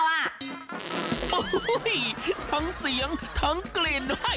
เห้ยทั้งเสียงทั้งกลิ่น